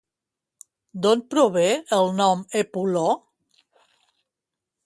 D'on prové el nom Epuló?